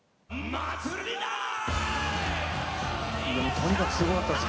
とにかくすごかったです